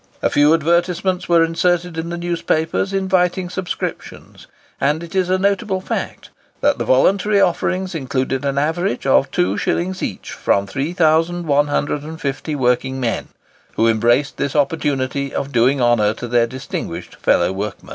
A few advertisements were inserted in the newspapers, inviting subscriptions; and it is a notable fact that the voluntary offerings included an average of two shillings each from 3150 working men, who embraced this opportunity of doing honour to their distinguished fellow workman.